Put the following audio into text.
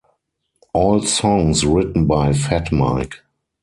All songs written by Fat Mike.